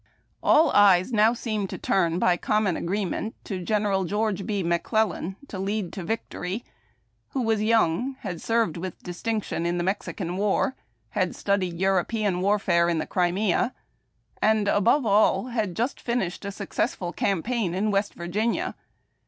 All eyes seemed now to turn, by common agreement, to General George B. McClellan, to lead to victory, who was young, who had served with distinction in the Mexican War, had studied European warfare in the Crimea, and, above all, had just finished a successful campaign in West Virginia.